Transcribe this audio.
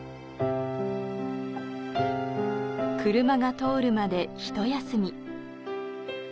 車が通るまで一休み。